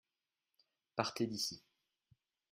Partez d'ici.